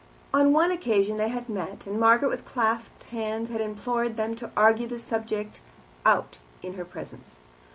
On one occasion they had met, and Margaret with clasped hands had implored them to argue the subject out in her presence.